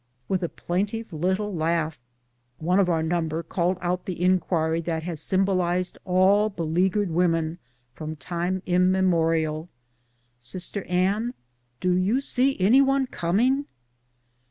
With a plaintive little laugh, one of our num ber called out the inquiry that has symbolized all be leaguered women from time immemorial, " Sister Anne, do you see any one coming?"